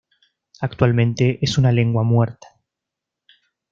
Actualmente es una lengua muerta.